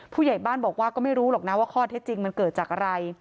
ผู้ใหญ่บ้านบอกว่าก็ไม่รู้หรอกนะว่าข้อเท็จจริงมันเกิดจากอะไร